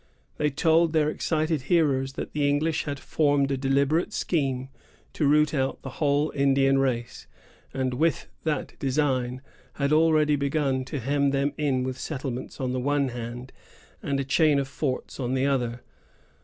They told their excited hearers that the English had formed a deliberate scheme to root out the whole Indian race, and, with that design, had already begun to hem them in with settlements on the one hand, and a chain of forts on the other.